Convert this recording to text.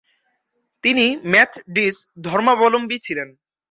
তিনি মেথডিস্ট ধর্মাবলম্বী ছিলেন।